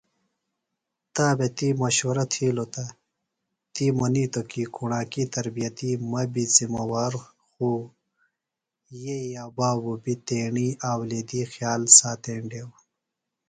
تا بےۡ تی مشورہ تِھیلوۡ تہ تی منِیتوۡ کی کُݨاکی تربیتیۡ مہ بیۡ زِمہ وار خو یئے بابی بیۡ تیݨی اولیدی خیال تھینڈیوۡ۔